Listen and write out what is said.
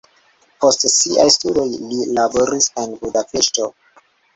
Post siaj studoj li laboris en Budapeŝto.